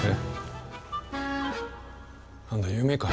何だ夢か。